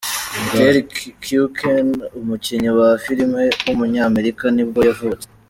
Terry O'Quinn, umukinnyi wa filime w’umunyamerika nibwo yavutse.